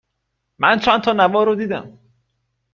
من چند تا نوار رو دیدم